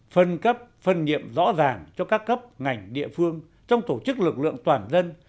phân cấp phân nhiệm rõ ràng cho các cấp ngành địa phương trong tổ chức lực lượng toàn dân